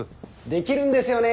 できるんですよね